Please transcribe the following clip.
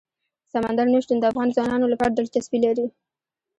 سمندر نه شتون د افغان ځوانانو لپاره دلچسپي لري.